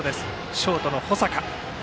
ショートの保坂。